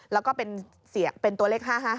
แล้วก็เป็นตัวเลข๕๕๕ค่ะ